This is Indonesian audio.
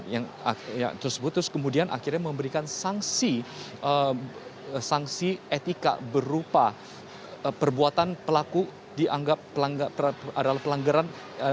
yang tersebut terus kemudian akhirnya memberikan sanksi etika berupa perbuatan pelaku dianggap adalah pelanggaran